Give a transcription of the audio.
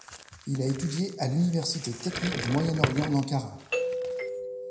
Il a étudié à l'Université technique du Moyen-Orient d'Ankara.